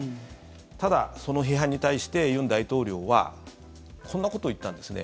ただ、その批判に対して尹大統領はこんなことを言ったんですね。